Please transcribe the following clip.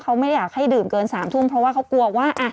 เขาไม่ได้อยากให้ดื่มเกิน๓ทุ่มเพราะว่าเขากลัวว่า